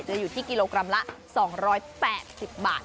จะอยู่ที่กิโลกรัมละ๒๘๐บาท